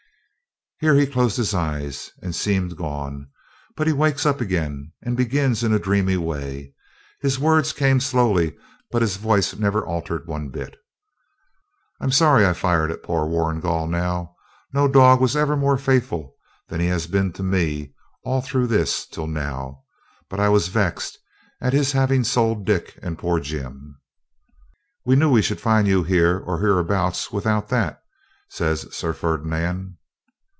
Here he closed his eyes, and seemed gone; but he wakes up again, and begins in a dreamy way. His words came slowly, but his voice never altered one bit. 'I'm sorry I fired at poor Warrigal now. No dog ever was more faithful than he has been to me all through till now; but I was vexed at his having sold Dick and poor Jim.' 'We knew we should find you here or hereabouts without that,' says Sir Ferdinand.